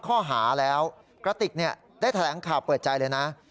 ข้อหาแล้วกระติกได้แถลงข่าวเปิดใจเลยนะ